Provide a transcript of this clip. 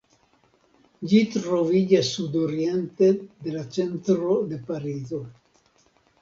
Ĝi troviĝas sudoriente de la centro de Parizo.